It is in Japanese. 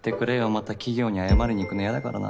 また企業に謝りにいくの嫌だからな。